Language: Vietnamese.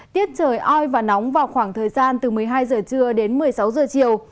tiết trời oi và nóng vào khoảng thời gian từ một mươi hai giờ trưa đến một mươi sáu giờ chiều